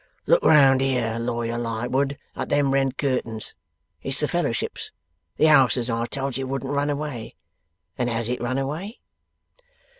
'Look round here, Lawyer Lightwood, at them red curtains. It's the Fellowships, the 'ouse as I told you wouldn't run away. And has it run away?